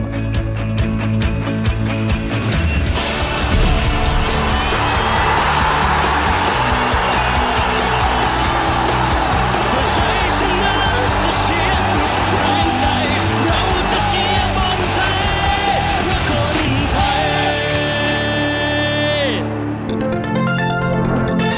เพื่อใช้ชนะจะเชียร์สุดแรงใจ